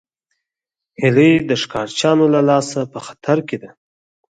هیلۍ د ښکارچیانو له لاسه په خطر کې ده